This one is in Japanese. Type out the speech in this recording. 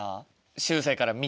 しゅうせいから見て。